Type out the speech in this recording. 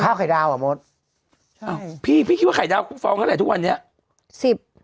คาวไข่ดาวอ่ะโมดอ้าวพี่คิดว่าให้ให้กินไฟฟ้องเท่าไหร่ทุกวันนี้๑๐